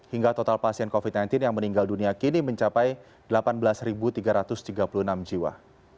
hingga total pasien covid sembilan belas yang meninggal dunia kini mencapai delapan belas tiga ratus tiga puluh enam jiwa